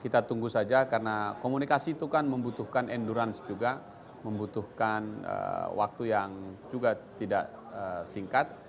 kita tunggu saja karena komunikasi itu kan membutuhkan endurance juga membutuhkan waktu yang juga tidak singkat